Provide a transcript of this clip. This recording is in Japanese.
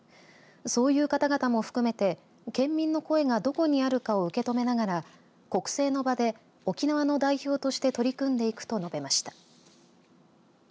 そういう方々も含めて県民の声がどこにあるかを受け止めながら国政の場で沖縄の代表として取り組んでいくと述べました。